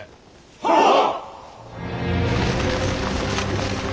はっ！